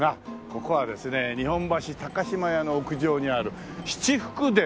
ここはですね日本橋島屋の屋上にある七福殿。